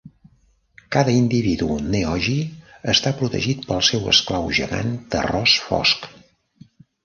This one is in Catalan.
Cada individu neogi està protegit pel seu esclau gegant terrós fosc.